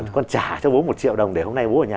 con trả cho bố một triệu đồng để hôm nay bố ở nhà